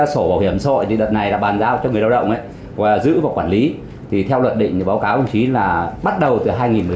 sổ bảo hiểm xã hội thì đợt này là bàn giao cho người lao động và giữ và quản lý thì theo luật định thì báo cáo công chí là bắt đầu từ hai nghìn một mươi tám